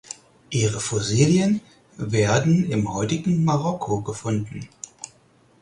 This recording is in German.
Ihre Fossilien werden im heutigen Marokko gefunden.